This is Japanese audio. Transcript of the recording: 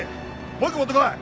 もう１個持ってこい。